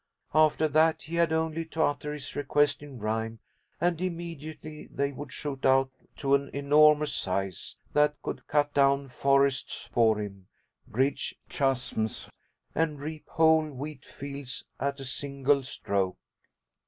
After that he had only to utter his request in rhyme, and immediately they would shoot out to an enormous size that could cut down forests for him, bridge chasms, and reap whole wheat fields at a single stroke.